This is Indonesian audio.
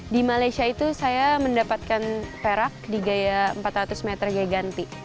di malaysia itu saya mendapatkan perak di gaya empat ratus meter gaya ganti